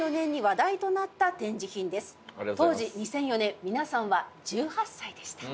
当時２００４年皆さんは１８歳でした。